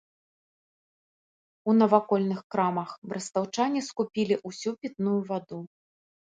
У навакольных крамах брэстаўчане крамах скупілі ўсю пітную ваду.